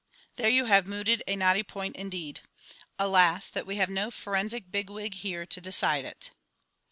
_ There you have mooted a knotty point indeed. Alas, that we have no forensic big wig here to decide it!